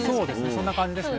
そんな感じですね。